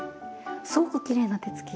すごくきれいな手つき。